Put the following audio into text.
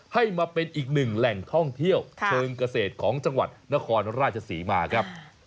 ให้มาเป็นอีกหนึ่งแหล่งท่องเที่ยวเชิงเกษตรของจังหวัดนครราชศรีมาครับ